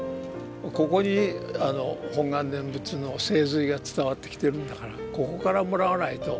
ここに「本願念仏」の精髄が伝わってきてるんだからここからもらわないと。